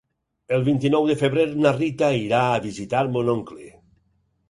El vint-i-nou de febrer na Rita irà a visitar mon oncle.